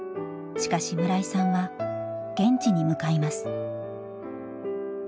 しかし村井さんは現地に向かいます。